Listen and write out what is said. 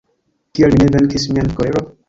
Kial mi ne venkis mian koleron?